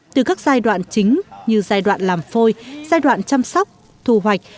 từ các giai đoạn chính như giai đoạn làm phôi giai đoạn chăm sóc thu hoạch